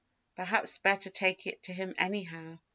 Perhaps better take it to him anyhow."